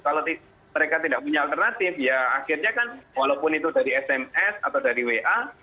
kalau mereka tidak punya alternatif ya akhirnya kan walaupun itu dari sms atau dari wa